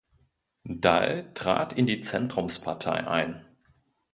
Dall trat in die Zentrumspartei ein.